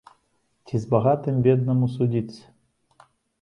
Ці з багатым беднаму судзіцца?